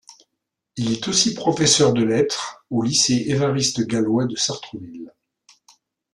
Il est aussi professeur de Lettres au lycée Evariste Galois de Sartrouville.